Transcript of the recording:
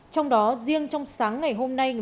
trong đó riêng trong sáng ngày hôm nay